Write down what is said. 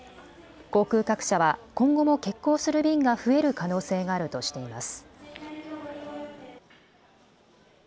航空各社は今後も欠航する便が増える可能性があるとしています。